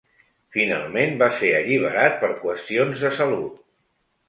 Finalment va ser alliberat per qüestions de salut.